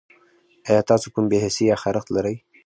ایا تاسو کوم بې حسي یا خارښت لرئ؟